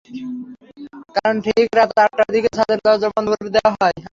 কারণ, ঠিক রাত আটটার দিকে ছাদের দরজা বন্ধ করে দেওয়া হয়।